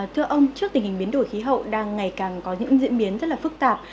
thưa ông trước tình hình biến đổi khí hậu đang ngày càng có những diễn biến rất là phức tạp